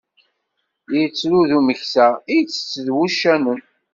Ittru d umeksa, itett d wuccanen.